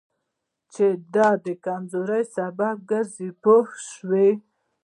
چې د کمزورۍ سبب کېږي پوه شوې!.